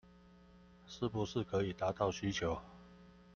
是不是可以達到需求